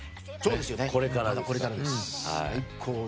これからです。